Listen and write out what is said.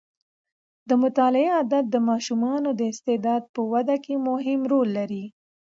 د مطالعې عادت د ماشومانو د استعداد په وده کې مهم رول لري.